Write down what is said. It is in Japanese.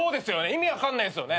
意味分かんないですよね。